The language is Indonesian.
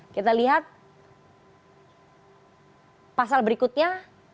kita lihat pasal berikutnya